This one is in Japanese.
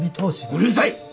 うるさい！